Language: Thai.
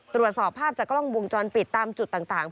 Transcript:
ตรวจสอบภาพจากกล้องวงจรปิดตามจุดต่าง